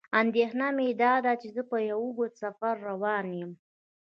اندېښنه مې داده چې زه په یو اوږد سفر روان یم.